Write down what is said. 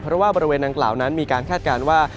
เพราะว่าบริเวณดังกล่าวนั้นมีการคาดการณ์ว่า